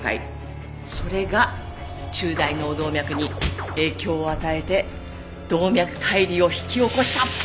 それが中大脳動脈に影響を与えて動脈解離を引き起こした！